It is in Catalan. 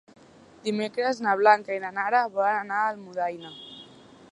Dimecres na Blanca i na Nara volen anar a Almudaina.